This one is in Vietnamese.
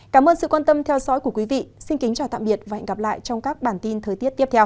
cảm ơn sự quan tâm theo dõi của quý vị xin kính chào tạm biệt và hẹn gặp lại trong các bản tin thời tiết tiếp theo